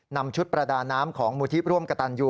นำชุดประดาน้ำของมูลที่ร่วมกระตันยู